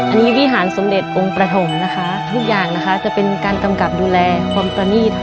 อันนี้วิหารสมเด็จองค์ประถมนะคะทุกอย่างนะคะจะเป็นการกำกับดูแลความประนีต